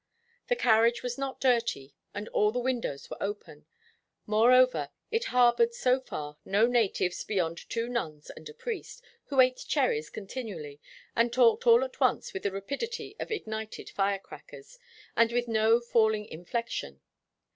The carriage was not dirty, and all the windows were open; moreover, it harbored, so far, no natives beyond two nuns and a priest, who ate cherries continually and talked all at once with the rapidity of ignited fire crackers and with no falling inflection.